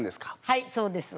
はいそうです。